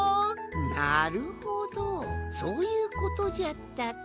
なるほどそういうことじゃったか。